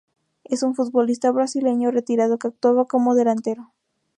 Es un futbolista brasileño retirado que actuaba como delantero.